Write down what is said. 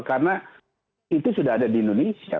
karena itu sudah ada di indonesia